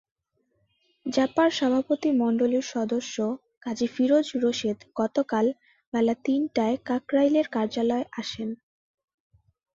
জাপার সভাপতিমণ্ডলীর সদস্য কাজী ফিরোজ রশীদ গতকাল বেলা তিনটায় কাকরাইলের কার্যালয়ে আসেন।